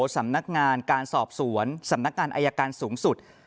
สำนักงานการสอบสวนสำนักงานอายการสูงสุด